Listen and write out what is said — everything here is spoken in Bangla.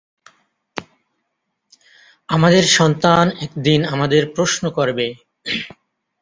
আমাদের সন্তান একদিন আমাদের প্রশ্ন করবে।